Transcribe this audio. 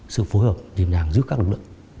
sự phối hợp tìm đàng giữ các lực lượng